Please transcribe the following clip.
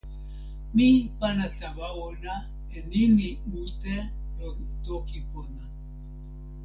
mi pana tawa ona e nimi mute lon toki pona.